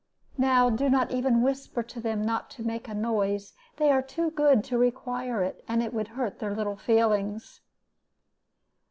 Now do not even whisper to them not to make a noise. They are too good to require it; and it would hurt their little feelings.'